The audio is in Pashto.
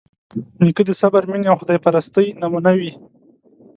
نیکه د صبر، مینې او خدایپرستۍ نمونه وي.